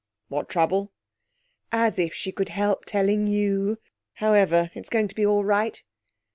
'What trouble?' 'As if she could help telling you! However, it's going to be all right.'